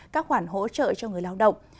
các khoản hỗ trợ cho người lao động